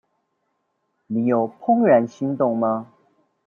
你有怦然心動嗎？